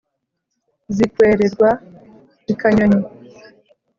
zikwererwa i kanyoni.